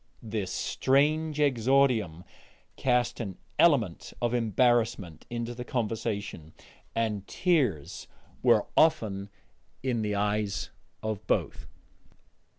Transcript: This strange exordium cast an element of embarrassment into the conversation, and tears were often in the eyes of both.